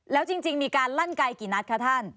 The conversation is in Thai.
แล้วจริงมีการลั่นไกลกี่นัดคะท่าน